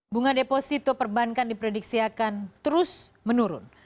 bunga deposito perbankan diprediksiakan terus menurun